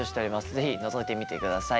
是非のぞいてみてください。